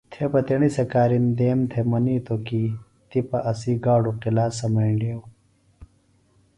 تھے تی تیݨی سےۡ کارِندیم تھےۡ منِیتوۡ کی تِپہ اسی گاڈوۡ قِلا سمینڈیوۡ